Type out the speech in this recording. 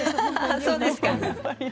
そうですか。